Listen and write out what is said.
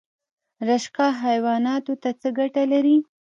رشقه حیواناتو ته څه ګټه لري؟